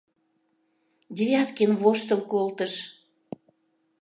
— Девяткин воштыл колтыш.